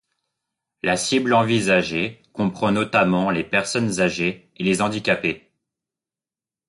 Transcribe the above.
La cible envisagée comprend notamment les personnes âgées et les handicapés.